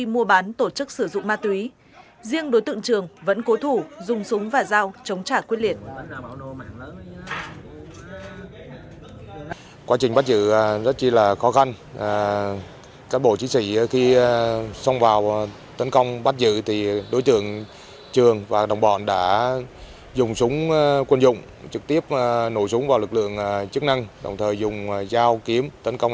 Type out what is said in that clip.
khi mua bán tổ chức sử dụng ma túy riêng đối tượng trường vẫn cố thủ dùng súng và dao chống trả quyết liệt